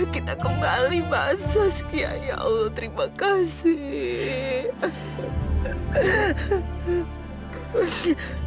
kita kembali bahasa sekian ya allah terima kasih